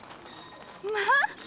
まあ！